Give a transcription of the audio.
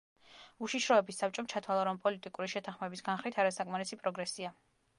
უშიშროების საბჭომ ჩათვალა, რომ პოლიტიკური შეთანხმების განხრით არასაკმარისი პროგრესია.